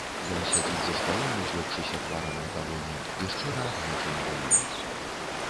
Ён сядзіць за сталом, узлёгшыся тварам на далоні, і шчыра аб нечым думае.